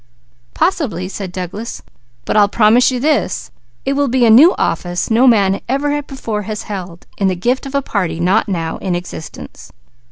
"Possibly," said Douglas. "But I'll promise you this: it will be a new office no man ever before has held, in the gift of a party not now in existence."